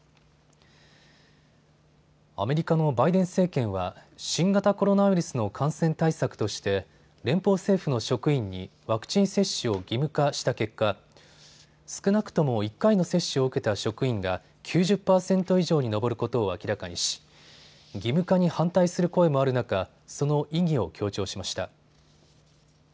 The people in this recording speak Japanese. アメリカのバイデン政権は新型コロナウイルスの感染対策として連邦政府の職員にワクチン接種を義務化した結果、少なくとも１回の接種を受けた職員が９０％以上に上ることを明らかにし義務化に反対する声もある中、その意義を強調しました。